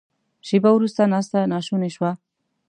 شیبه وروسته ناسته ناشونې شوه.